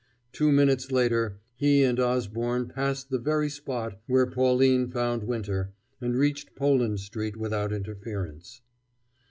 Two minutes later he and Osborne passed the very spot where Pauline found Winter, and reached Poland Street without interference.